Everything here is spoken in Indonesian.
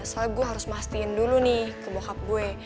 soalnya gue harus mastiin dulu nih ke bohab gue